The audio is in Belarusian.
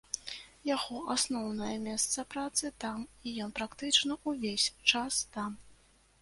Яго асноўнае месца працы там, і ён практычна ўвесь час там.